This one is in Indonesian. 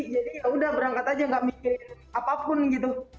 jadi yaudah berangkat aja gak mikirin apapun gitu